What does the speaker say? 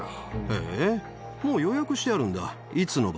へえ、もう予約してあるんだ。